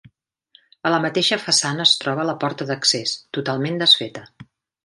A la mateixa façana es troba la porta d'accés, totalment desfeta.